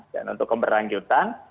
dan untuk keberlanjutan